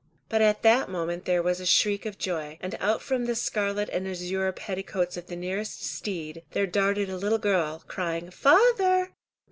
But at that moment there was a shriek of joy, and out from the scarlet and azure petticoats of the nearest steed, there darted a little girl, crying, "Father!